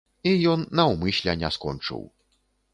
І ён наўмысля не скончыў.